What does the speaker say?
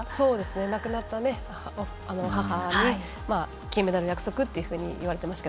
亡くなった母に金メダルを約束というふうに言われていましたが。